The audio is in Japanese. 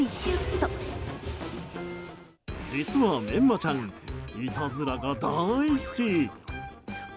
実は、めんまちゃんいたずらが大好き。